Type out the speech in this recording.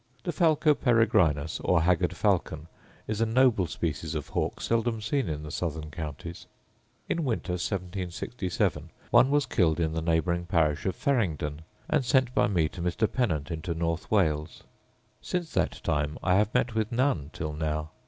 The falco peregrinus, or haggard falcon, is a noble species of hawk seldom seen in the southern counties. In winter 1767 one was killed in the neighbouring parish of Faringdon, and sent by me to Mr. Pennant into North Wales.* Since that time I have met with none till now.